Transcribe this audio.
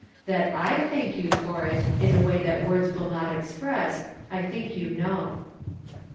That I thank you for it, in a way that words will not express, I think you know."